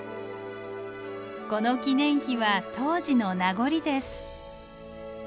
この記念碑は当時の名残です。